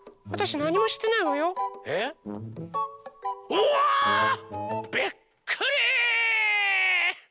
おわ！びっくり！